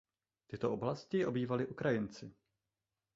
Tyto oblasti obývali Ukrajinci.